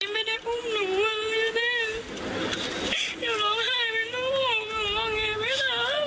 ไม่ได้พูดหนูว่าไม่ได้อย่าบอกใครไม่รู้ว่าผมมันว่าไงไหมคะ